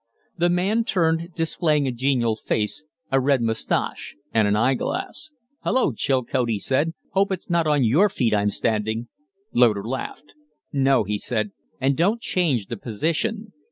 The man turned, displaying a genial face, a red mustache, and an eye glass. "Hullo, Chilcote!" he said. "Hope it's not on your feet I'm standing." Loder laughed. "No," he said. "And don't change the position.